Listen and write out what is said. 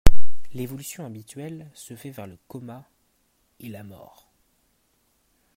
L'évolution habituelle se fait vers le coma et la mort.